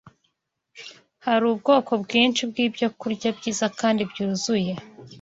Hari ubwoko bwinshi bw’ibyokurya byiza kandi byuzuye.